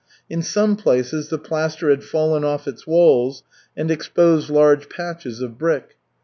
In some places the plaster had fallen off its walls and exposed large patches of brick.